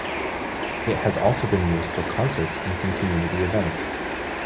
It has also been used for concerts and some community events.